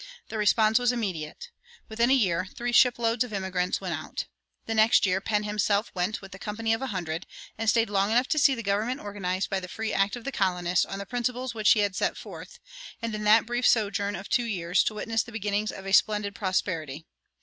The response was immediate. Within a year three ship loads of emigrants went out. The next year Penn himself went with a company of a hundred, and stayed long enough to see the government organized by the free act of the colonists on the principles which he had set forth, and in that brief sojourn of two years to witness the beginnings of a splendid prosperity.